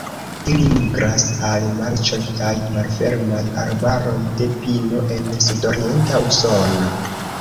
Ili migras al marĉoj kaj malfermaj arbaroj de pino en sudorienta Usono.